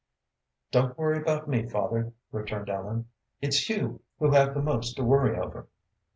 "Don't worry about me, father," returned Ellen. "It's you who have the most to worry over."